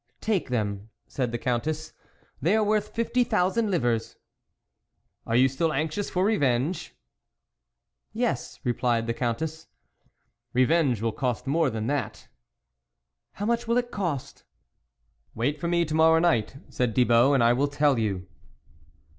" Take them," said the Countess, " they are worth fifty thousand livres." " Are you still anxious for revenge ?"" Yes," replied the Countess. " Revenge will cost more than that." " How much will it cost ?"" Wait for me to morrow night," said Thibault, " and I will tell you."